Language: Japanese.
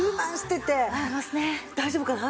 大丈夫かな？